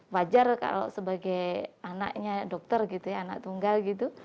wajar kalau sebagai anaknya dokter anak tunggal